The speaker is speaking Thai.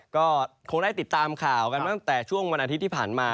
ก็คงได้ติดตามข่าวกันตั้งแต่ช่วงวันอาทิตย์ที่ผ่านมา